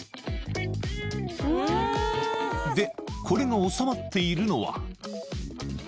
［でこれが収まっているのは］